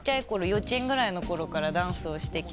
幼稚園ぐらいのころからダンスをしてきて。